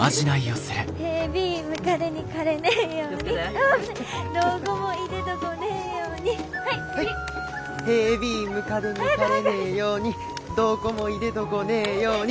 「ヘビムカデにかれねえようにどごもいでどごねえように」。